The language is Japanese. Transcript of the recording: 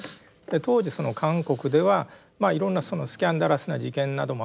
当時その韓国ではいろんなスキャンダラスな事件などもあったりしてですね